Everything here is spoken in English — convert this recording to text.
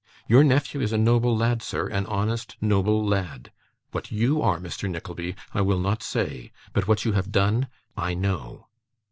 Your nephew is a noble lad, sir, an honest, noble lad. What you are, Mr. Nickleby, I will not say; but what you have done, I know.